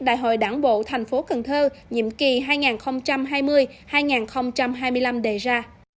đại hội đảng bộ thành phố cần thơ nhiệm kỳ hai nghìn hai mươi hai nghìn hai mươi năm đề ra